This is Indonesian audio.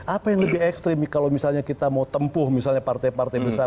apa yang lebih ekstrim kalau misalnya kita mau tempuh misalnya partai partai besar